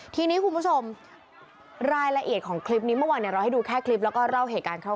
ทีนี้คุณผู้ชมรายละเอียดของคลิปนี้เมื่อวานเนี่ยเราให้ดูแค่คลิปแล้วก็เล่าเหตุการณ์คร่าว